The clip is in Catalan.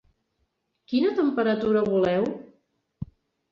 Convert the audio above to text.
Quina temperatura voleu?